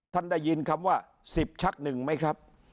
ท่านได้ยินคำว่าสิบชักหนึ่งไหมครับ